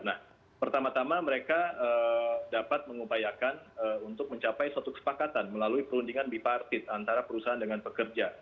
nah pertama tama mereka dapat mengupayakan untuk mencapai suatu kesepakatan melalui perundingan bipartit antara perusahaan dengan pekerja